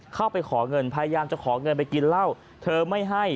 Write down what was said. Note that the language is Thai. เข้าไปขอเงินพยายามจะขอเงินไปกินเหล้าเธอไม่ให้